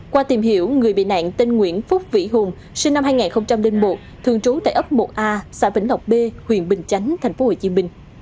qua tìm hiểu người bị nạn tên nguyễn phúc vĩ hùng sinh năm hai nghìn một thường trú tại ấp một a xã vĩnh lộc b huyện bình chánh tp hcm